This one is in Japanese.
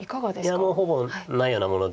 いやもうほぼないようなもので。